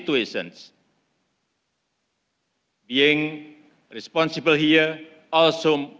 bukan hanya mencari situasi yang tidak jelas